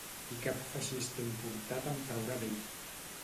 I cap feixista importat em traurà d'ell.